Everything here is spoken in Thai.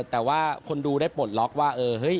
แต่ว่าคนดูได้ปลดล็อกว่าเออ